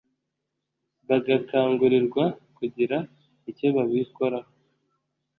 bagakangurirwa kugira icyo babikoraho